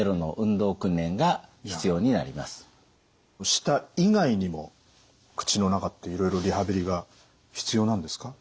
舌以外にも口の中っていろいろリハビリが必要なんですか？